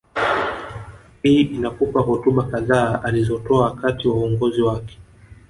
Hii inakupa hotuba kadhaa alizotoa wakati wa uongozi wake